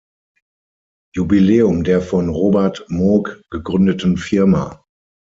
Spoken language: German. Jubiläum der von Robert Moog gegründeten Firma.